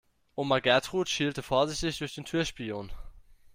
Oma Gertrud schielte vorsichtig durch den Türspion.